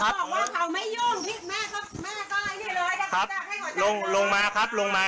เขาบอกว่าเขาไม่ยุ่งพี่แม่ก็แม่ก็อะไรที่เลยครับลงลงมาครับลงมา